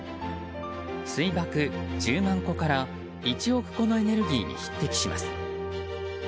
水爆１０万個から１億個のエネルギーに匹敵します。